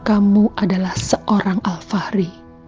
kamu adalah seorang alfahri